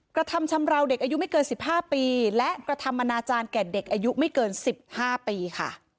กระทำชำราวเด็กอายุไม่เกิน๑๕ปีและกระทำอนาจารย์แก่เด็กอายุไม่เกิน๑๕ปีค่ะ